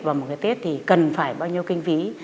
vào một cái tết thì cần phải bao nhiêu kinh phí